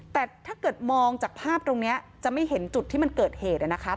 แต่ถ้าเกิดมองจากภาพตรงนี้จะไม่เห็นจุดที่มันเกิดเหตุนะครับ